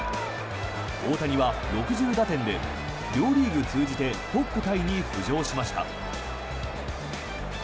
大谷は６０打点で両リーグ通じてトップタイに浮上しました。